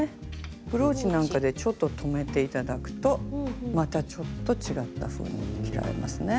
ブローチなんかでちょっと留めて頂くとまたちょっと違ったふうに着られますね。